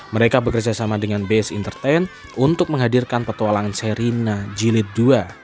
mereka bekerjasama dengan base entertain untuk menghadirkan petualangan serina jilid dua